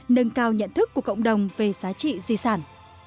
nâng cao nhận thức của cộng đồng về giá trị di sản